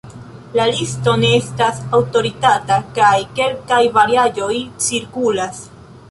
La listo ne estas aŭtoritata kaj kelkaj variaĵoj cirkulas.